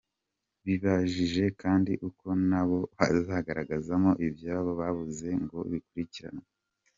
Bibajije kandi uko nabo bazagaragazamo ibyabo babuze ngo bikurikiranwe.